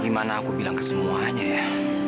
gimana aku bilang ke semuanya ya